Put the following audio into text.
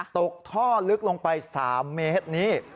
ตกท่อลึกลงไป๓เมตรนี้